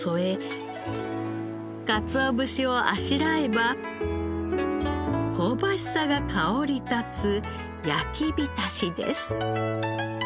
カツオ節をあしらえば香ばしさが香り立つ焼き浸しです。